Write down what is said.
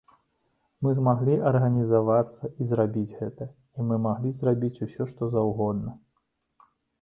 Мы змаглі арганізавацца і зрабіць гэта, і мы маглі зрабіць усё што заўгодна.